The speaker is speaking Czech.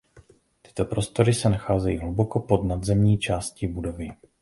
Tyto prostory se nacházejí hluboko pod nadzemní částí budovy.